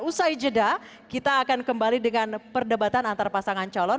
usai jeda kita akan kembali dengan perdebatan antar pasangan calon